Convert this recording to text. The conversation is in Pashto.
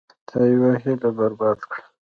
تا یوه هیله برباد کړه.